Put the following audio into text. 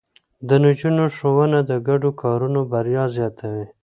د نجونو ښوونه د ګډو کارونو بريا زياتوي.